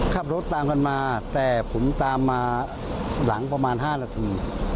ขับรถตามกันมาแต่ผมตามมาหลังประมาณ๕นาที